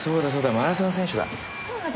マラソン選手だ。